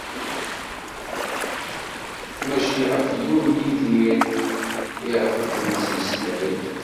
Mačči ɣef yiwen n Yidir iɣef d-nettmeslay.